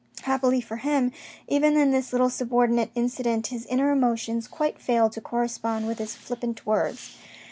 Happily for him, even in this little subordinate incident, his inner emotions quite failed to correspond with his flippant words.